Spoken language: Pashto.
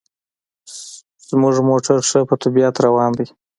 زموږ موټر ښه په طبیعت روان دی.